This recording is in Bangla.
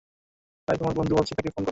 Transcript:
তাই তোমার বন্ধুকে বলেছ তাকে ফোন করতে।